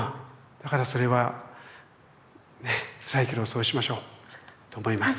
だからそれはねえつらいけどそうしましょう。と思います。